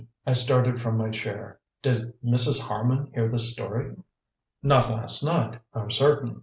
I started from my chair. "Did Mrs. Harman hear this story?" "Not last night, I'm certain.